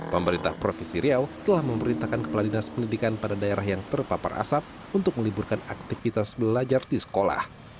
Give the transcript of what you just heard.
pemerintah provinsi riau telah memerintahkan kepala dinas pendidikan pada daerah yang terpapar asap untuk meliburkan aktivitas belajar di sekolah